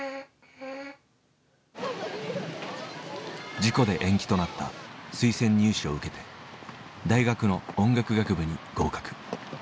事故で延期となった推薦入試を受けて大学の音楽学部に合格。